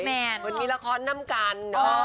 เหมือนมีละครนำกัน